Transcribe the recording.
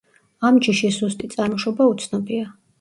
ამ ჯიშის ზუსტი წარმოშობა უცნობია.